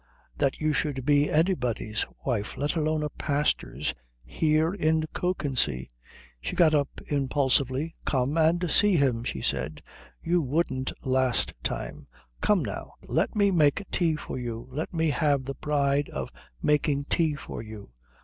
That you should be anybody's wife, let alone a pastor's. Here in Kökensee." She got up impulsively. "Come and see him," she said. "You wouldn't last time. Come now. Let me make tea for you. Let me have the pride of making tea for you."